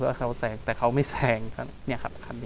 อ๋อครูเตือนเลยขอหน้าธนายค่ะในว่าจะรวด